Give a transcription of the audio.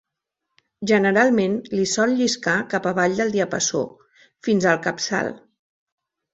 Generalment, l'hi sol lliscar cap avall del diapasó, fins al capçal.